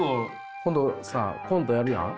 今度さコントやるやん。